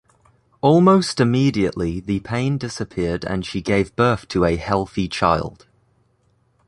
Almost immediately the pain disappeared and she gave birth to a healthy child.